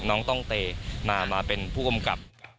น้องต้องเตมาเป็นผู้กำกับ